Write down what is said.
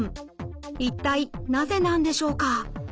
一体なぜなんでしょうか？